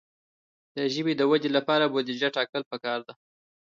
د ژبې د ودې لپاره بودیجه ټاکل پکار ده.